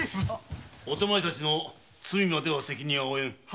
お手前たちの罪までは責任は負えぬ。